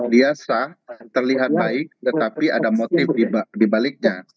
biasa terlihat baik tetapi ada motif dibaliknya